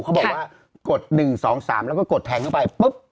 เขาบอกว่ากด๑๒๓แล้วก็กดแทงเข้าไปปุ๊บ